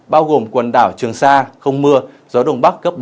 bao gồm quần đảo trường sa không mưa gió đông bắc cấp bốn